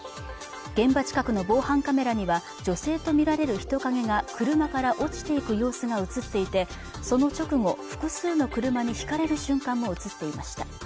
現場近くの防犯カメラには女性と見られる人影が車から落ちていく様子が映っていてその直後複数の車に轢かれる瞬間も映っていました